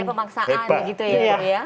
gak ada pemaksaan gitu ya